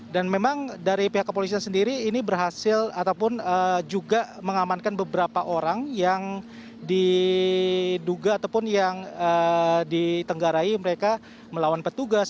dan memang dari pihak kepolisian sendiri ini berhasil ataupun juga mengamankan beberapa orang yang diduga ataupun yang ditenggarai mereka melawan petugas